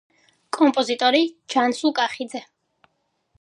კომპოზიტორი: ჯანსუღ კახიძე.